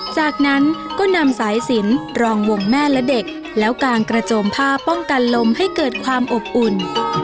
จากนั้นก็นำสายสินรองวงแม่และเด็กแล้วกางกระโจมผ้าป้องกันลมให้เกิดความอบอุ่น